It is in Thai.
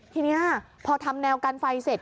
ทีนี้พอทำแนวกันไฟเสร็จ